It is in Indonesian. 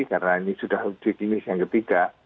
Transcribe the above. karena ini sudah di klinis yang ketiga